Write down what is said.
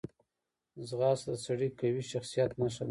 ځغاسته د سړي قوي شخصیت نښه ده